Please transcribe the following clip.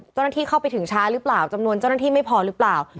เจ้าหน้าที่เข้าไปถึงช้าหรือเปล่าจำนวนเจ้าหน้าที่ไม่พอหรือเปล่า